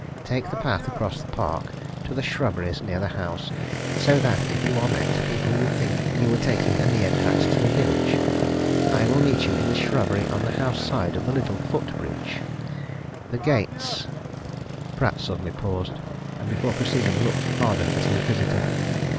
Take the path across the park to the shrubberies near the house, so that if you are met people would think you were taking a near cut to the village. I will meet you in the shrubbery on the house side of the little foot bridge. The gates '" Pratt suddenly paused, and before proceeding looked hard at his visitor.